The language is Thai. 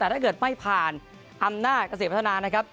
แต่ถ้าเกิดไม่ผ่านอำนาจเกษตรพัฒนานะครับ